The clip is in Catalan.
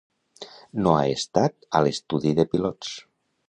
No ha estat a l'estudi de pilots.